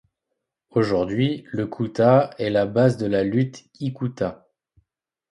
Aujourd'hui, le Kuta est la base de la lutte Hikuta.